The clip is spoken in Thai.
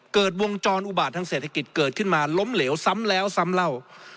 เกิดวงจรอุบาตทางเศรษฐกิจเกิดขึ้นมาล้มเหลวซ้ำแล้วซ้ำเล่า